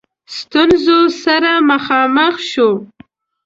ستونزو سره مخامخ شو.